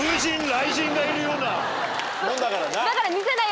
がいるようなもんだからな。